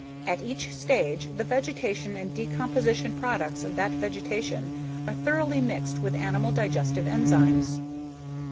At each stage the vegetation and decomposition products of that vegetation are thoroughly mixed with animal digestive enzymes.